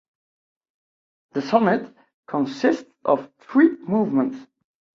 The sonata consists of three movements.